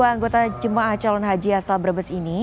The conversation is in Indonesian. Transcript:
seribu lima puluh dua anggota jemaah calon haji asal brebes ini